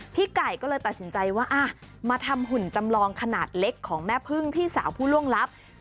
พี่ไก่ก็เลยตัดสินใจว่ามาทำหุ่นจำลองขนาดเล็กของแม่พึ่งพี่สาวผู้ล่วงลับ